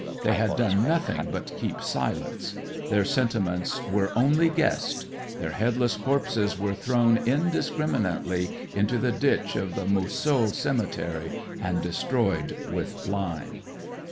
They had done nothing but keep silence. Their sentiments were only guessed. Their headless corpses were thrown indiscriminately into the ditch of the Mousseaux Cemetery, and destroyed with lime."